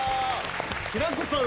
平子さん